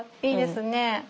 いいですね。